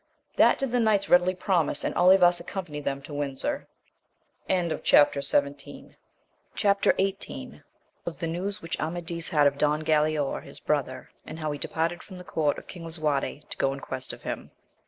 That did the knights readily promise, and Olivas accompanied them to Windsor. Chap. XVIII. — Of the news which Amadis had of Don Galaor his brother, and how he departed from the court of King Lisuarte to go in quest of him.